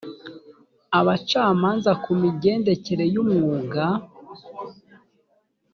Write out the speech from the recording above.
abacamanza ku migendekere y umwuga